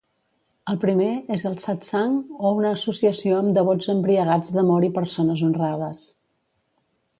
El primer és el "satsang" o una associació amb devots embriagats d"amor i persones honrades.